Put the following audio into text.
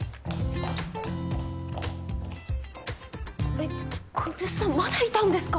えっ来栖さんまだいたんですか？